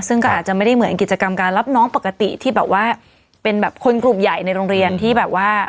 ซึ่งก็อาจจะไม่ได้เหมือนกิจกรรมการรับน้องปกติที่แบบว่าเป็นแบบคนกลุ่มใหญ่ในโรงเรียนที่แบบว่า